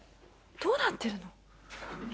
どうなってるの？